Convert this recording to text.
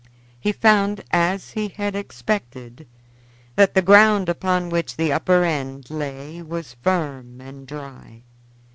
He found, as he had expected, that the ground upon which the upper end lay was firm and dry.